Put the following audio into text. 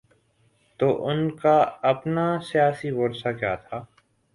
تو ان کا اپنا سیاسی ورثہ تھا۔